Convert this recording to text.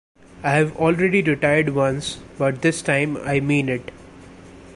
I have already retired once but this time I mean it.